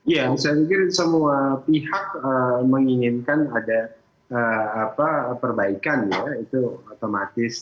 ya saya pikir semua pihak menginginkan ada perbaikan ya itu otomatis